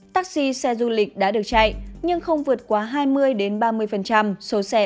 tác xe xe du lịch đã được chạy nhưng không vượt qua hai mươi ba mươi số xe